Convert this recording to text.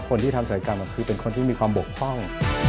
คนที่ทำศัยกรรมคือเป็นคนที่มีความบกพร่อง